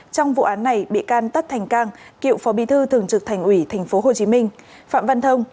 trong vụ án này bị can tất thành cang cựu phó bí thư thường trực thành ủy tp hcm phạm văn thông